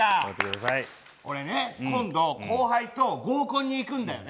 俺ね、今度、後輩と合コンに行くんだよね。